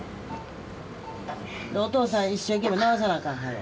お父さん一生懸命治さなあかん早う。